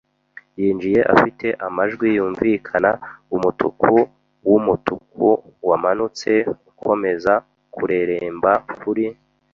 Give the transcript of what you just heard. yinjiye afite amajwi yumvikana; umutuku wumutuku wamanutse ukomeza kureremba kuri